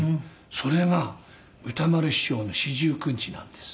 「それが歌丸師匠の四十九日なんです」